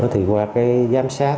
thì qua cái giám sát